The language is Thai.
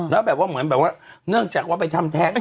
แล้วแบบว่าเหมือนแบบว่าเนื่องจากว่าไปทำแท้ง